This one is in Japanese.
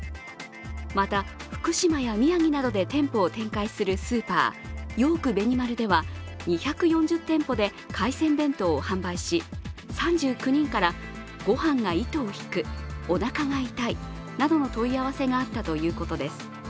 また、福島や宮城などで店舗を展開するスーパー、ヨークベニマルでは２４０店舗で海鮮弁当を販売し、３９人からご飯が糸を引く、おなかが痛いなどの問い合わせがあったということです。